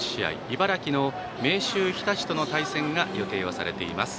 茨城の明秀日立との対戦が予定されています。